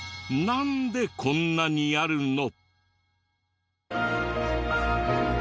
なんでこんなにあるの？